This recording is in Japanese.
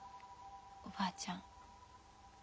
おばあちゃん。